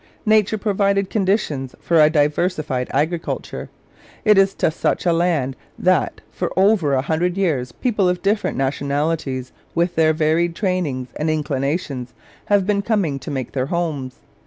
Nature provided conditions for a diversified agriculture. It is to such a land that for over a hundred years people of different nationalities, with their varied trainings and inclinations, have been coming to make their homes.